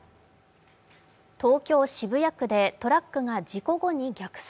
東京・渋谷区でトラックが事故後に逆走。